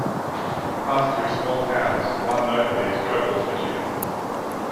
You pass through small towns, one notably is Gobles, Michigan.